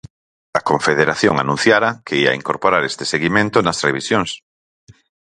A Confederación anunciara que ía incorporar este seguimento nas revisións.